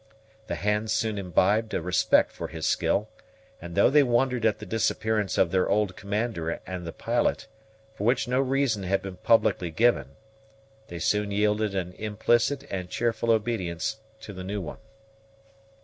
The hands soon imbibed a respect for his skill; and, though they wondered at the disappearance of their old commander and the pilot, for which no reason had been publicly given, they soon yielded an implicit and cheerful obedience to the new one.